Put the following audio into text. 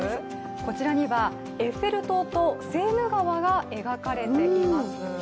こちらにはエッフェル塔とセーヌ川が描かれています。